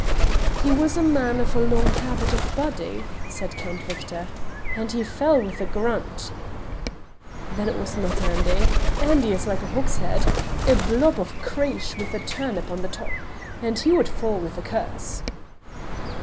"He was a man of a long habit of body," said Count Victor, "and he fell with a grunt." "Then it was not Andy. Andy is like a hogshead a blob of creesh with a turnip on the top and he would fall with a curse."